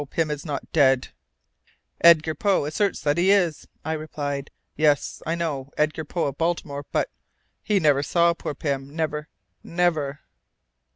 Pym is not dead!" "Edgar Poe asserts that he is," I replied. "Yes, I know, Edgar Poe of Baltimore. But he never saw poor Pym, never, never."